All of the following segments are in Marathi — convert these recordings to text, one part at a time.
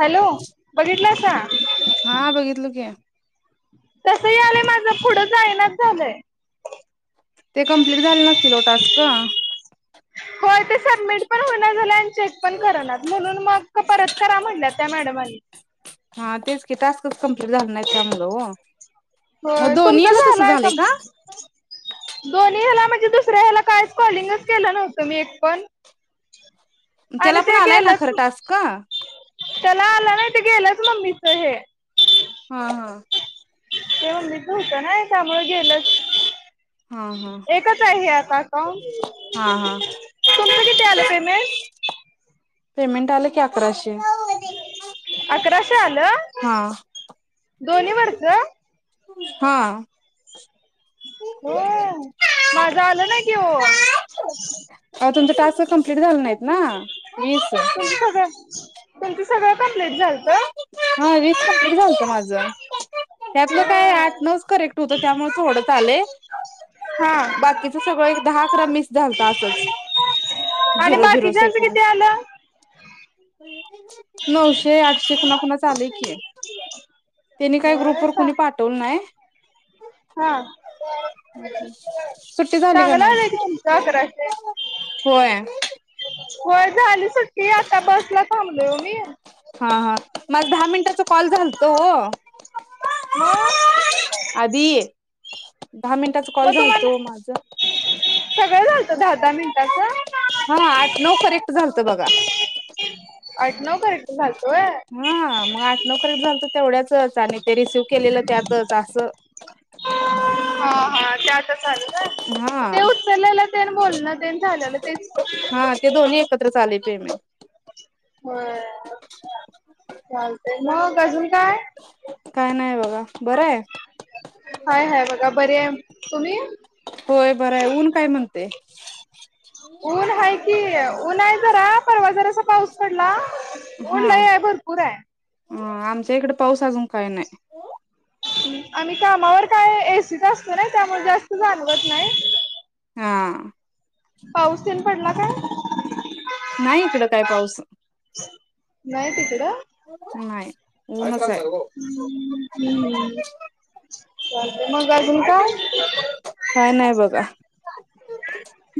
हॅलो बघितलं? [unintelligible] हा बघितलो की, तस यालंय माझं पुढं जायनाच झालंय? ते कम्प्लीट झाले नसतील ओ टास्क हा होय ते सबमिट पण होईना झालय आणि चेक पण करनात म्हणून मग परत करा म्हणल्यात..... त्या मॅडमांनी हा तेच कि टास्कच कंप्लीट झाल नाहीय त्यामुळं ओ मग होय तुमच दोन्ही याला तसं झालाय का झालंय दोन्ही हेला मग ती दिस तर ह्याला कायच कॉलिंगच् केलं नव्हं तुम्ही एक पण आणि त्याला पण ते आलाय ना गेलंच खरं टास्क? त्याला आलं ना ते गेलंच मम्मीच हे [inaudible] हा त्यामुळं गेलचं हा हा एकच हाय हे आता अकाउंट? हा हा तुमचं किती आलंय पेमेंट? पेमेंट आलं की अकराशे अकराशे आलं? हा दोन्ही वरचं? हा हो माझं आलं नाइ कि ओ अहो तुमचं टास्क कम्प्लीट झालं नाहीत ना तुमचं वीस सगळं [inaudible] तुमच सगळं कंप्लीट झालत हा वीस कंप्लेंट झालतं माझं. त्यातलं काय होय आठ नउच करेक्ट हुतं त्यामुळे थोडंच आलय. हा बाकीच सगळ एक दहा अकरा मिस झालत असच आणि झिरो झिरो बाकीच्यांचं किती सेकंडच आलं [unintelligible] नऊशे आठशे कुणाकुणाचं आलाय की, त्यांनी काय होय ग्रुपवर का कुणी पाठवल नाय काय? हा सुट्टी झाली का चांगलं नाय? आलंय की तुमचं अकराशे होय. होय झाली सुट ते आता बस ला थांबलोय ओ [unintelligible] हा हा माझं दहा मिनिटाचं कॉल झालतं ओ. मग आधी, दहा मिनिटांचं कॉल झालतं ओ माझं. सगळ झालत दहा दहा मिनिटांच हा आठ-नऊ कॅरेक्ट झालतं बघा. आठ नऊ करेक्ट झाल. हां! म आठ-नऊ कॅरेक्ट झालतं तेवढ्याचच. चाललंय ते रेसिइव्ह केलेलं त्यातच असं. हा हा ते आता झालं काय हा ते उचललेलं तेन बोलणं तेन झालेलं तेच हा ते दोन्ही एकत्रच आलेत. पेमें होय. चालतंय मग अजून काय? काय नाय बघा, बराय? हाय हाय बघा बरी आ तुम्ही? होय बरं आहे ऊन काय म्हणते ऊन हाय की ऊन हाय जरा. परवा जरासा पाऊस पडला ऊन लई ये भरपूर हाय. अ आमच्या इकडं पाऊस अजून काय नाय. हम्म आम्ही कामावर काय एसीत असतो नाय..... त्यामुळं जास्त जाणवत नाही... हम्म पाऊस तेन पडला काय? नाही इकड काय पाऊस.. नाही तिकडं. नाही [unintelligible] [unintelligible] चालतय मग अजून काय? काय नाही बघा....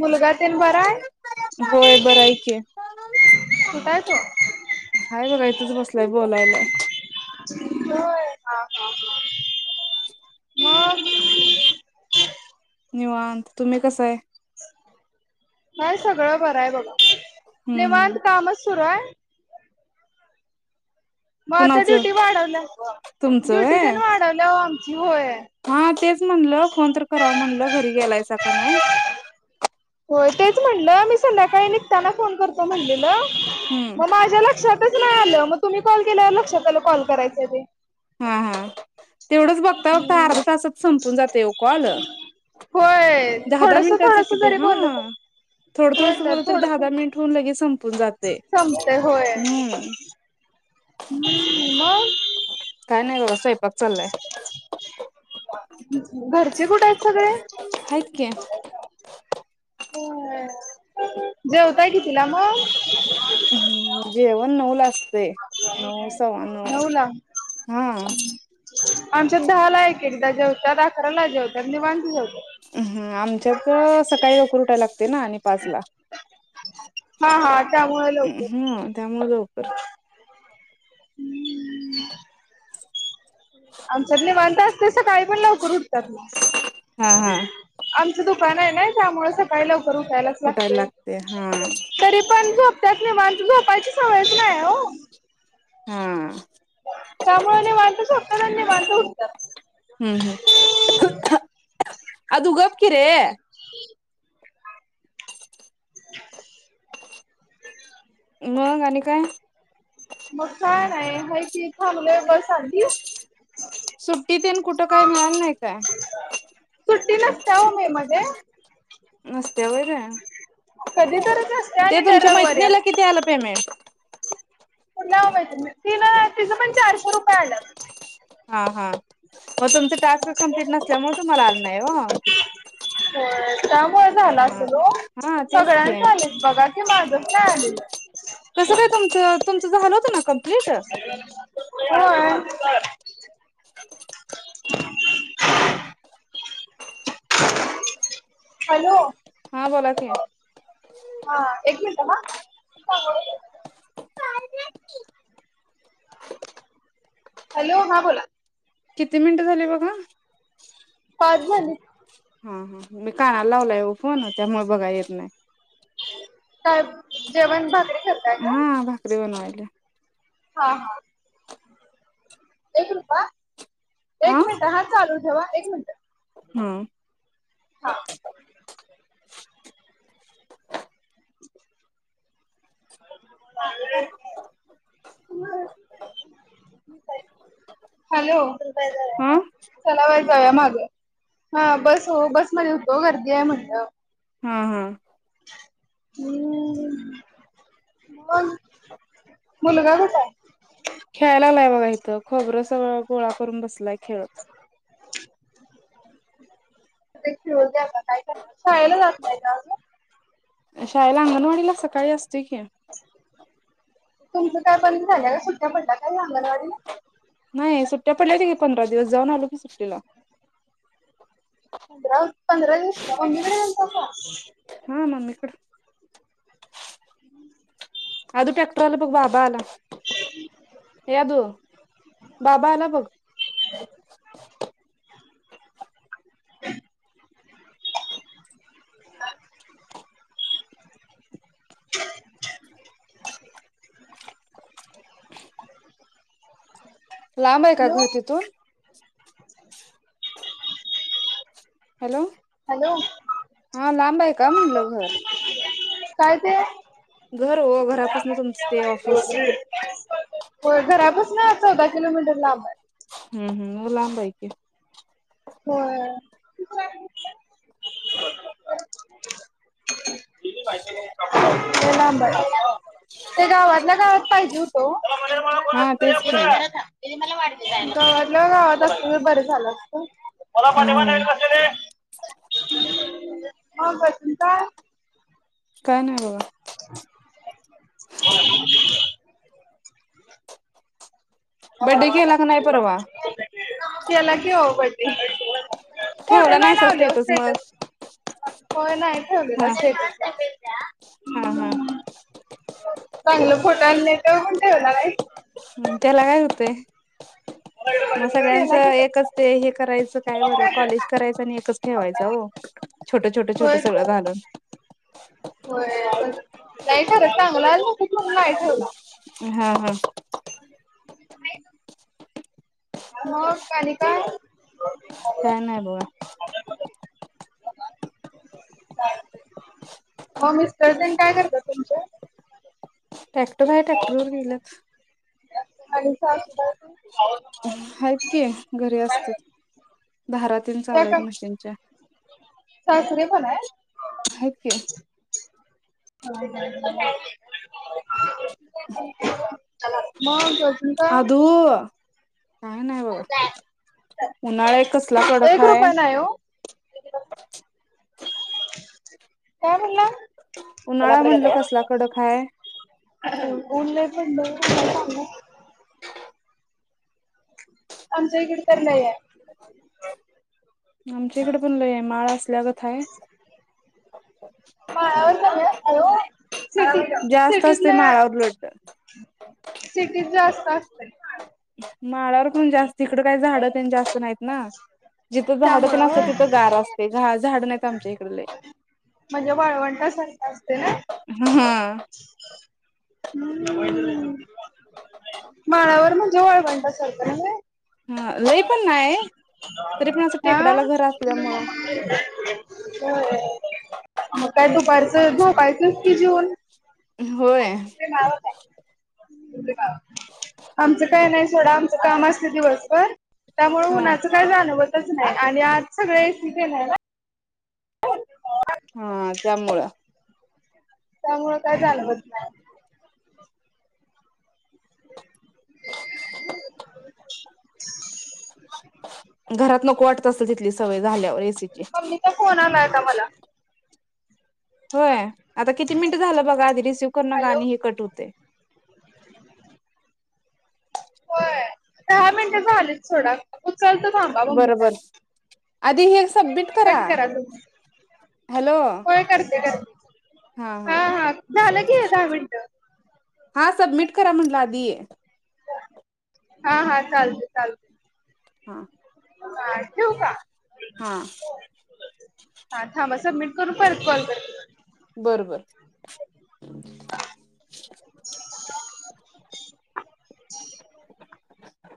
मुलगा तेन बरं होय हाय बरं आहे की [inaudible] कुठ हाय तो हाय बघा इथंच बसलाय [inaudible] बोलायलाय होय..... हां हां हां मग [inaudible] निवांत तुम्ही कस य? हाय सगळं बरं हाय बघा [inaudible] हम्म हम्म निवांत काम अस... सुरुय. मग आता कुणाचं ड्युटी वाढवल्या तुमचं ड्युटी व्हय तेन वाढवल्या ओ आमची होय..... हा तेच म्हणलं फोन तर कराव म्हणलं घरी गेला हायसा का नाही होय तेच म्हणलं मी संध्याकाळी निघताना फोन करतो म्हणलेलं... [inaudible] हम्म मग माझ्या लक्षात.. तसं नाही आलं मग तुम्ही कॉल केल्यावर लक्षात आलं कॉल करायचं आहे ते. हम्म हम्म... तेवढेच बघता बघता अर्धा तासात संपून जातंय ओ कॉल होय दहा दहा थोडस मिनिटाचं थोडस किती जरी बोललं तर हां थोड होय थोडच तर बोललं तरी थोडस दहा दहा मिनिट होऊन संपून जातंय संपतय होय. हम्म.... हम्म काय नाही बघा स्वयंपाक. चाललाय घरची कुठेत सगळे. हाय की हम्म [inaudible] जेवताय किती ला मगं [inaudible] हम्म जेवण नऊ ला अस. ते नऊ सव्वा नऊ नऊला हां... [inaudible] आमच्यात दहा ला एकएक दा जेवत्यात अकराला जेवत्यात निवांत जेवतात. हम्म आमच्यात ह सकाळी लवकर उठायला लाग...... ते आणि पाचला हा हा त्यामुळे लवकर हम्म त्यामुळं लवकर... आमच्यात निवांत असतय सकाळी पण लव लवकर हा हा उठतायत [inaudible] ते दुकान हाय नाई त्यामुळं सकाळी लव लवकर उठायलाच उठायला लागते हा हा तरी पण झोप.... त्यात निवांत झोपायची सवयचं नाही ओ. हम्म.. त्यामुळं निवांत झोका बाधंलाय बाल हम्म हम्म [inaudible] आदु गप की रे..... [inaudible] [inaudible] मग आणि काय? मग का? [unintelligible] सुट्टीतेन कूठेकाय मिळाल नाही काय? सुट्टी नसत्या हो मे मध्ये नसतयं व्हय र कधी तरच असते त्या आणि तुमच्या मैत्रीणीला किती आल पेमेंट? कुठल्या ओ मैत्रिणी तिन तिजपण चारशे रुपय आलत हा हा मग तुमच टास्क कम्प्लींट नसल्यामुळे तुम्हाला आले नाही ओ....... त्यामुळ झाल हा. असल ओ हा तेच की सगळ्यांचे आलेत बाघा की माझ [inaudible] कस काय तुमच तुमच झाल होत ना कम्प [inaudible] [unintelligible] हा बोला की हा एक मिनिट हा [inaudible] हॅलो हा बोला किती मिनिटं झाली बघा पाच झाली हा हा मी कानाला लावलाय ओ फोन त्यामुळ बघाय येत नाय. टब जेवण भाकरी..... करताय काय हा भाकरी बनवालोय हा हा एक रुपया आ एक मिनिटं हं चालू ठेवा एक मिनिटं हं [unintelligible] [inaudible] हॅलो हा चला बाई जाऊया माग हा बस ओ बस मधे होतो गर्दी आहे म्हटलं हा हा [inaudible] मुलगा कुठाय? खेळा लागलाय इथ खोबर सगळं गोळा करून बसलाय खेळत खेळू दया आता काय करणार शाळेला जात नाय का अजून शाळेला अंगणवाडीला सकाळी असतोय की.... तुमच काय बंद झालय व्हय सुट्ट्या पडल्या काय अंगणवाडीला नाही सुट्ट्या पडल्या होत्या की पंधरा दिवस जाऊन आलो की सुट्टीला. पंधरा पंधरा दिवसये का? मम्मीकडे गेलतो का? हा मम्मीकडं अग ट्रॅक्टरवाला बग बाबा आला. ये आदू बाबा आला बग लांब आहे का हॅलो घर तिथून [inaudible] हॅलो हॅलो हा लांब आहे का? म्हणलं घर काय ते घर वो घरापासन तुमचं ते [unintelligible] ऑफिस व्हय घरापासना चौदा किलोमीटर लांब हाय. हम्म [unintelligible] होय [inaudible] लय लांब हाय ते गावातल्या गावात पाहिजे होतं ओ गावातल्या हा तेच के गावातल्या गावात असत तर बरं झालं असतं. हम्म [unintelligible] [unintelligible] काय नाय बघा [inaudible] बडे केला का नाय परवा केला की ओ बड्डे फोटो ठेवला नाय नाहीसा लावले ओ मग स्टेटस हो नाय ठेवलेला हा स्टेटस [inaudible] हा हा चागलं फोटो [unintelligible] पण ठेवला बाई म सगळ्यांच केला की बड्डे. एकच ते हे करायचं काय बरं कॉलेज करायचं नी एकच ठेवायचा ओ छोट छोट छोट होय सगळं तर. घालून होय नाही खरंच [inaudible] हा हा [inaudible] मग आणि काय? काय नाय बवा ओ मिस्टर तेन काय करतात तुमचे ट्रॅक्टर हाय ट्रॅक्टरवर गेलत [unintelligible] हायेत की घरी असतेत धारा तेन त्या चालू आहेत काय मशीनच्या सासरी पण हाय. आहेत की [unintelligible] मग अजून आदु काय काय नाही बघा उन्हाळा एक कसला कडक एक हाय. रुपया नाही हो काय म्हणला? उन्हाळा म्हटल कसला कडक हाय [unintelligible] आमच्या इकडे तर नाहीये. आमच्या इकडे पण लय आहे माळा असल्या गत हाय. [inaudible] जास्त सिटीत असते नाय माळावर उलट सिटीत जास् तिथ असतंय माळावर [inaudible] माळावर पण जास्त हीकड काही झाडं तेन जास्त नाहीत ना. जिथं झाडं त्यामुळं तेन असते होय तिथं गार असते. झाडं नाही म्हणजे वाळवंटा सारखा असते ना? हा [unintelligible] माळावर मजे वाळवंटासारखं नव्हे? हा लय पण नाही तरी पण असं टेकडाला घर असल्यामुळं होये म काय काय दुख पारच झोपायचं की जेवून होय आमचं काय नाये सोडा आमचं काम असत दिवसभर त्यामुळ हा उन्हाचं काय जाणवत नाही आणि आज सगळ एसी [unintelligible] हा त्यामुळं त्यामुळे काय जाणवत नाही. [inaudible] [inaudible] घरात नको वाटत असल तिथली सवय झाल्यावर ऐसीची मम्मीचा फोन आलाय का मला होय आता किती मिनिट झालं बघा आधी रिसिव करू नका हॅलो आणि हे कट होतये. होय दहा मिनटं झालेत सोडा. उचलतो थांबा मम्मीचा बरोबर आधी हे सबमिट करा कट तुम्ही हॅलो होय [unintelligible] हा हा झालं की दहा मिनटं. हा सबमिट करा म्हटलं आधी. हा हा चालतंय चालतंय हा ह ठेऊ का? हा ह थांबा सबमिट करू परत कॉल बॅक बरबर. [inaudible]